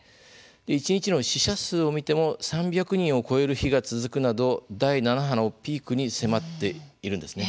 一日の死者数を見ても３００人を超える日が続くなど第７波のピークに迫っているんですね。